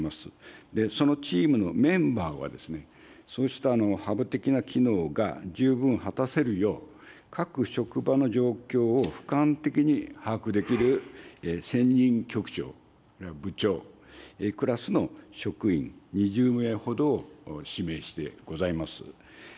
そのチームのメンバーは、そうしたハブ的な機能が十分果たせるよう、各職場の状況をふかん的に把握できる専任局長、あるいは部長クラスの職員２０名ほどを指名してございます。